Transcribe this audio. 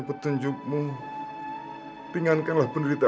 aku sudah ikhlas mengeluarkan sebagian hartaku